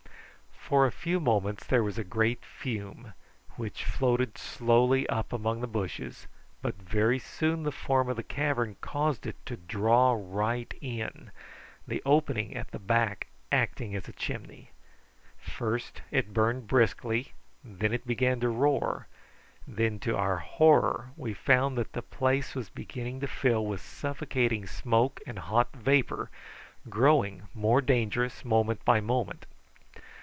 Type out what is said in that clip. For a few moments there was a great fume, which floated slowly up among the bushes, but very soon the form of the cavern caused it to draw right in, the opening at the back acting as a chimney. First it burned briskly, then it began to roar, and then to our horror we found that the place was beginning to fill with suffocating smoke and hot vapour, growing more dangerous moment by moment.